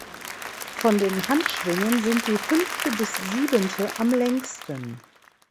Von den Handschwingen sind die fünfte bis siebente am längsten.